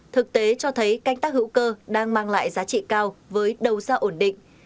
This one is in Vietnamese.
thực tế cho thấy canh tác hữu cơ đang mang lại giá trị cao với đầu ra ổn định